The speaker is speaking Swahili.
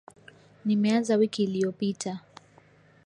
Nimeanza wiki iliyopita.